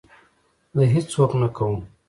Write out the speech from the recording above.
زه هېڅ څوک نه کوم.